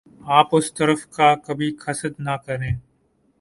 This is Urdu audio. آپ اس طرف کا کبھی قصد نہ کریں ۔